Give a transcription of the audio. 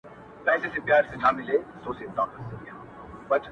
سخت حالت سره مخ ده,